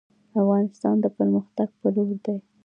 افغانستان د پرمختګ په لور دی